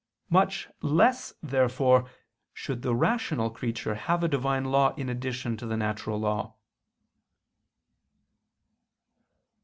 Much less, therefore, should the rational creature have a Divine law in addition to the natural law.